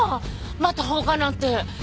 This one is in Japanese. また放火なんて。